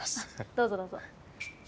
どうぞどうぞ。